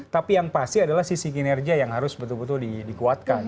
tapi yang pasti adalah sisi kinerja yang harus betul betul dikuatkan